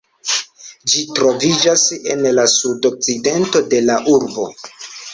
Ĝi troviĝas en la sudokcidento de la urbo.